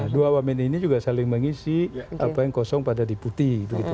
dua wamen ini juga saling mengisi apa yang kosong pada deputi